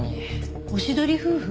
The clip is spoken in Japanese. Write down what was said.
おしどり夫婦？